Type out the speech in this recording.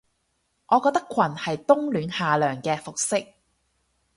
我覺得裙係冬暖夏涼嘅服飾